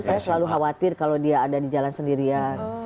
saya selalu khawatir kalau dia ada di jalan sendirian